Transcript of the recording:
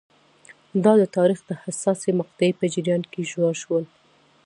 دا د تاریخ د حساسې مقطعې په جریان کې ژور شول.